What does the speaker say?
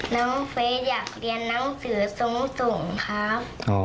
น้องเฟย์อยากเรียนหนังสือทรงครับ